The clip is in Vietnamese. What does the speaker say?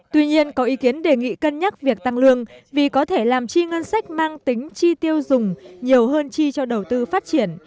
tuy nhiên có ý kiến đề nghị cân nhắc việc tăng lương vì có thể làm chi ngân sách mang tính chi tiêu dùng nhiều hơn chi cho đầu tư phát triển